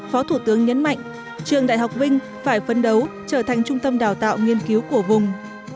phó thủ tướng nhấn mạnh trường đại học vinh phải phấn đấu trở thành trung tâm đào tạo nghiên cứu của vùng